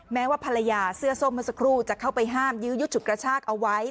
แม้ว่าภรรยาเสื้อส้มเมื่อสักครู่จะเข้าไปห้ามยื้อยุดฉุดกระชากเอาไว้